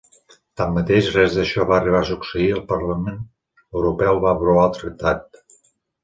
Tanmateix, res d'això va arribar a succeir i el Parlament Europeu va aprovar el Tractat.